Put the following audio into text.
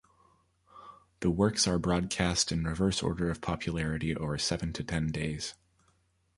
The works are broadcast in reverse order of popularity over seven to ten days.